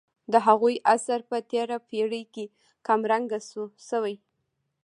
د هغو اثر په تېره پېړۍ کې کم رنګه شوی.